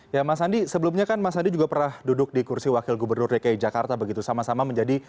ya mas andi sebelumnya kan mas andi juga pernah duduk di kursi wakil gubernur dki jakarta begitu sama sama menjadi